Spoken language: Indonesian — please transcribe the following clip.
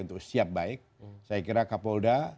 untuk siap baik saya kira kapolda